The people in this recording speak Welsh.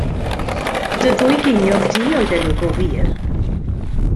Dy ddwy geiniog di oedden nhw go wir.